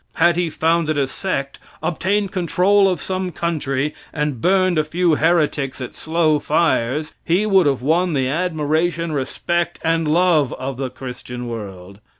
Had he founded a sect, obtained control of some country, and burned a few heretics at slow fires, he would have won the admiration, respect and love of the christian world.